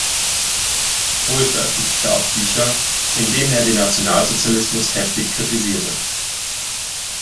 Pol veröffentlichte auch Bücher, in denen er den Nationalsozialismus heftig kritisierte.